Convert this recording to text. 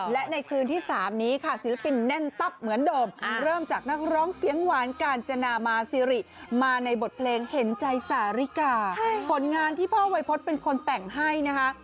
และในคืนที่๓นี้ค่ะศิลปินแน่นตับเหมือนเดิมเริ่มจากนักร้องเสียงหวานกาญจนามาซิริมาในบทเพลงเห็นใจสาริกาผลงานที่พ่อวัยพฤษเป็นคนแต่งให้นะคะ